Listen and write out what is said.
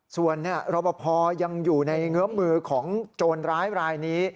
ส่วนรอปภยังอยู่ในเงื้อมือของโจรร้ายรายนี้